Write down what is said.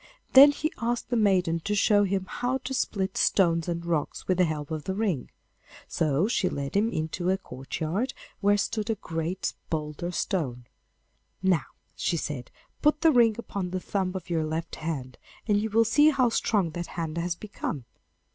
Then he asked the maiden to show him how to split stones and rocks with the help of the ring. So she led him into a courtyard where stood a great boulder stone. 'Now,' she said, 'put the ring upon the thumb of your left hand, and you will see how strong that hand has become.